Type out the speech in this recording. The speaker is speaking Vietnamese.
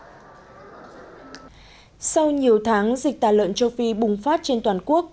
sau nhiều tháng dịch tà lợn châu phi bùng phát trên toàn quốc